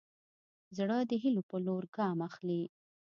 زړه د هيلو په لور ګام اخلي.